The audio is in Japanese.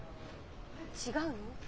違うの？